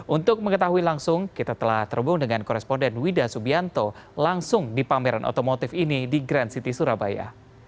untuk mengetahui langsung kita telah terhubung dengan koresponden wida subianto langsung di pameran otomotif ini di grand city surabaya